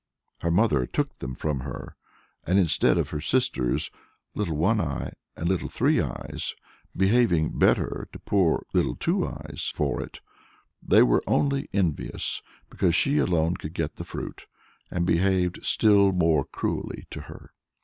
Her mother took them from her, and instead of her sisters, Little One Eye and Little Three Eyes, behaving better to poor Little Two Eyes for it, they were only envious because she alone could get the fruit, and behaved still more cruelly to her.